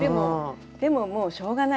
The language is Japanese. でももうしょうがない